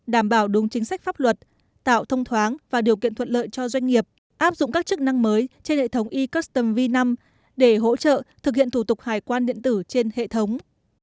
đảm bảo đúng chính sách pháp luật tạo thông thoáng và điều kiện thuận lợi cho doanh nghiệp áp dụng các chức năng mới trên hệ thống e custom v năm để hỗ trợ thực hiện thủ tục hải quan điện tử trên hệ thống